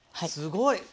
すごい！